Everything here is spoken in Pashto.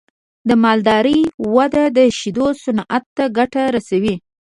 د مالدارۍ وده د شیدو صنعت ته ګټه رسوي.